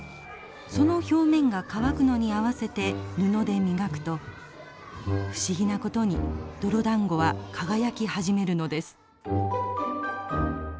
その表面が乾くのに合わせて布で磨くと不思議なことに泥だんごは輝き始めるのです。